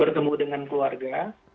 bertemu dengan keluarga